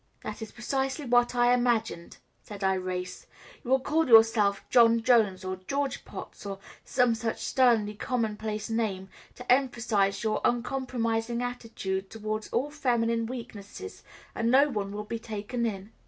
"That is precisely what I imagined," said Irais. "You will call yourself John Jones, or George Potts, or some such sternly commonplace name, to emphasise your uncompromising attitude towards all feminine weaknesses, and no one will be taken in."